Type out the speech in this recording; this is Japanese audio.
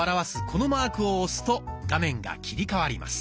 このマークを押すと画面が切り替わります。